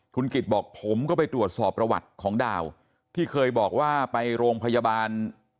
คุณกิจบอกผมก็ไปตรวจสอบประวัติของดาวที่เคยบอกว่าไปโรงพยาบาล